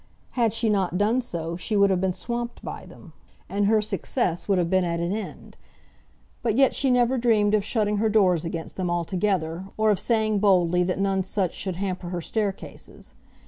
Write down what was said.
Had she not done so she would have been swamped by them, and her success would have been at an end; but yet she never dreamed of shutting her doors against them altogether, or of saying boldly that none such should hamper her staircases.